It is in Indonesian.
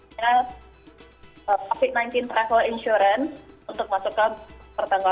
karena covid sembilan belas travel insurance untuk masuk ke pertanggal satu